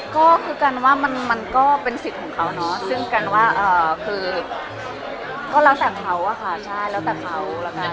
ก็คือกันว่ามันก็เป็นสิทธิ์ของเขาเนาะซึ่งกันว่าคือก็แล้วแต่เขาอะค่ะใช่แล้วแต่เขาละกัน